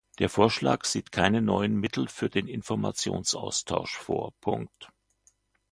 Der Vorschlag sieht keine neuen Mittel für den Informationsaustausch vor.